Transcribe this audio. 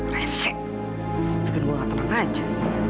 resik bikin gue gak tenang aja